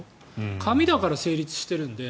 紙だから成立してるので。